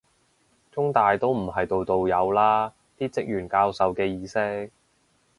中大都唔係度度有啦，啲職員教授嘅意識